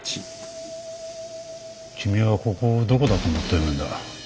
君はここをどこだと思ってるんだ。